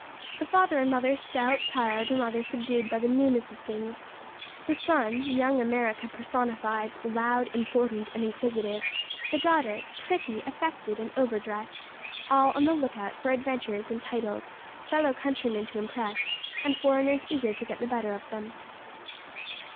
The father and mother stout, tired, and rather subdued by the newness of things; the son, Young America personified, loud, important, and inquisitive; the daughter, pretty, affected, and over dressed; all on the lookout for adventures and titles, fellow countrymen to impress, and foreigners eager to get the better of them.